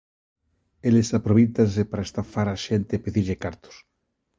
Eles aprovéitanse para estafar a xente e pedirlle cartos.